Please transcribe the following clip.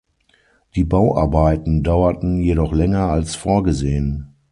Die Bauarbeiten dauerten jedoch länger als vorgesehen.